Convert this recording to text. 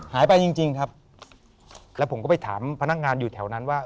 จริงจริงครับแล้วผมก็ไปถามพนักงานอยู่แถวนั้นว่า